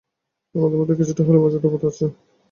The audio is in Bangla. আমাদের মধ্যে কিছুটা হলেও মর্যাদাবোধ আছে।